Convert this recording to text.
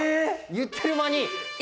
言ってる間に！